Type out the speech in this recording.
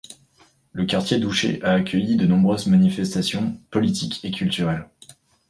Le quartier d'Ušće a accueilli de nombreuses manifestations, politiques et culturelles.